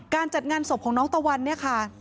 การจัดงานศพของน้องตะวันค่ะ